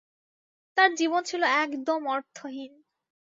তার জীবন ছিল একদম অর্থহীন।